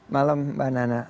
malam mbak nana